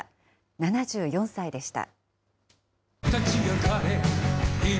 ７４歳でした。